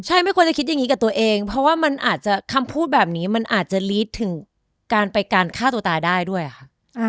ใช่ไม่ควรจะคิดอย่างนี้กับตัวเองเพราะว่ามันอาจจะคำพูดแบบนี้มันอาจจะลีดถึงการไปการฆ่าตัวตายได้ด้วยค่ะ